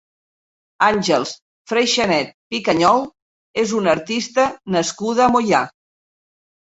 Àngels Freixanet Picanyol és una artista nascuda a Moià.